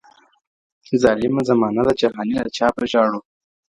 ظالمه زمانه ده جهاني له چا به ژاړو.